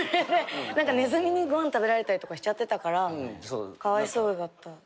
ネズミにご飯食べられたりとかしちゃってたからかわいそうだった。